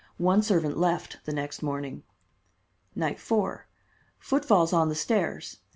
One servant left the next morning. Night 4: Footfalls on the stairs.